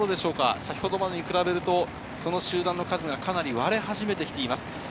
先ほどまでと比べると集団の数がかなり割れ始めてきています。